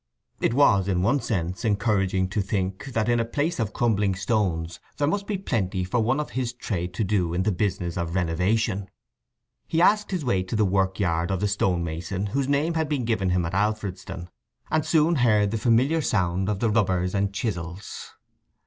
It was, in one sense, encouraging to think that in a place of crumbling stones there must be plenty for one of his trade to do in the business of renovation. He asked his way to the workyard of the stone mason whose name had been given him at Alfredston; and soon heard the familiar sound of the rubbers and chisels.